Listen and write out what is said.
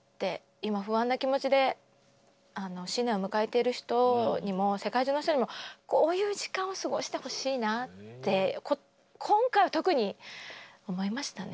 今不安な気持ちで新年を迎えている人にも世界中の人にもこういう時間を過ごしてほしいなって今回は特に思いましたね。